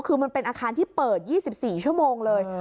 คือมันเป็นอาคารที่เปิด๒๔ชั่วโมงเลย